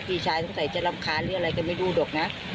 แล้วตีชายต้องใส่จะรำคาญหรืออะไรก็ไม่รู้ดอกนะ